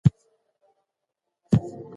که ژوندپوهنه عامه شي، د حفظ الصحې کچه لوړيږي.